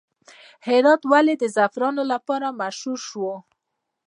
هرات ولې د زعفرانو لپاره مشهور شو؟